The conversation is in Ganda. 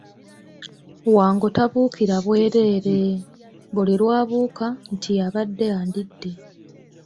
Wango tabuukira bwereere, buli lwabuuka nti abadde andidde.